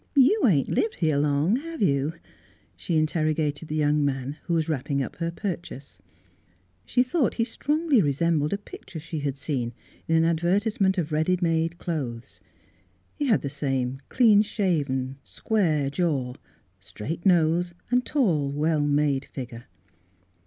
" You ain't lived here long, have you? " she interrogated the young man, who was wrapping up her purchase. She thought he strongly resembled a picture she had seen in an advertisement of ready made clothes ; he had the same clean shaven, square jaw, straight nose, and tall, well made figure.